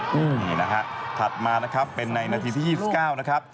นี่นะฮะถัดมานะครับเป็นในนาทีที่๒๙นะครับ